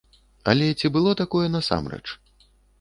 Але ці было такое насамрэч?